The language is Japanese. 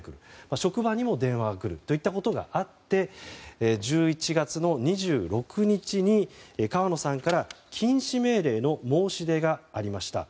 職場にも電話が来るということがあって１１月２６日に川野さんから禁止命令の申し出がありました。